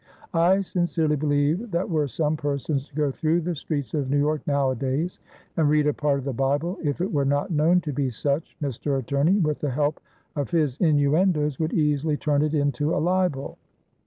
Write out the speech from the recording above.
I sincerely believe that were some persons to go through the streets of New York nowadays and read a part of the Bible, if it were not known to be such, Mr. Attorney, with the help of his innuendoes, would easily turn it into a libel.